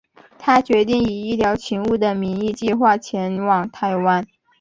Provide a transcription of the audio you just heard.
他决定以医疗勤务的名义计画前往台湾。